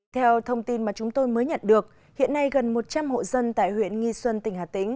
theo thông tin mà chúng tôi mới nhận được hiện nay gần một trăm linh hộ dân tại huyện nghi xuân tỉnh hà tĩnh